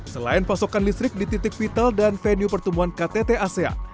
selain pasokan listrik di titik vital dan venue pertumbuhan ktt asean